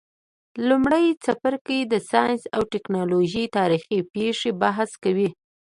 لمړی څپرکی د ساینس او تکنالوژۍ تاریخي پیښي بحث کوي.